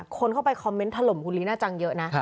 คนเข้าไปคอมเมนต์ถล่มคุณลีน่าจังเยอะนะ